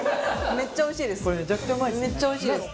めっちゃおいしいです。